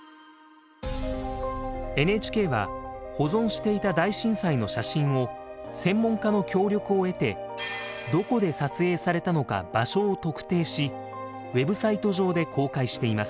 ＮＨＫは保存していた大震災の写真を専門家の協力を得てどこで撮影されたのか場所を特定しＷｅｂサイト上で公開しています。